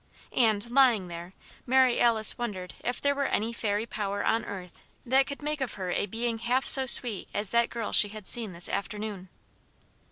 And, lying there, Mary Alice wondered if there were any fairy power on earth that could make of her a being half so sweet as that girl she had seen this afternoon.